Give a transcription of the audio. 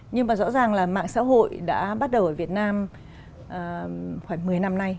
nhưng mà rõ ràng là mạng xã hội đã bắt đầu ở việt nam khoảng một mươi năm nay